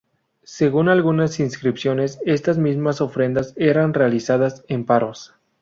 Según algunas inscripciones, estas mismas ofrendas eran realizadas en Paros.